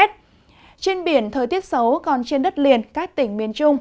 trên biển thời tiết xấu còn trên đất liền các tỉnh miền trung